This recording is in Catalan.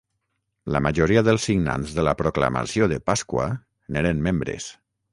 La majoria dels signants de la Proclamació de Pasqua n'eren membres.